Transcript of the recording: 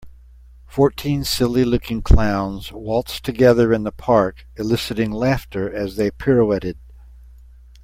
Fourteen silly looking clowns waltzed together in the park eliciting laughter as they pirouetted.